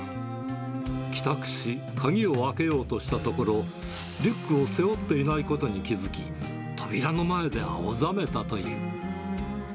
帰宅し、鍵を開けようとしたところ、リュックを背負っていないことに気付き、扉の前で青ざめたという。